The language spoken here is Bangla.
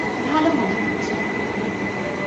ভালো মনে হচ্ছে।